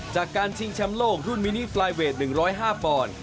จากการชิงแชมป์โลกรุ่นมินิฟลายเวท๑๐๕ปอนด์